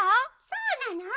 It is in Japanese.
そうなの？